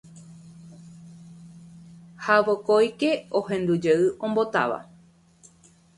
Ha vokóike ohendujey ombotáva.